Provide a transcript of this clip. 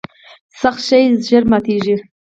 سخت شی ژر ماتیږي.